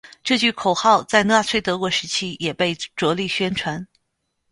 这句口号在纳粹德国时期亦被着力宣传。